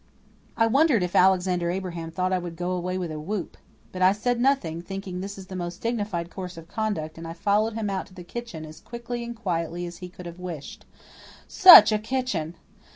I wondered if Alexander Abraham thought I would go away with a whoop. But I said nothing, thinking this the most dignified course of conduct, and I followed him out to the kitchen as quickly and quietly as he could have wished. Such a kitchen!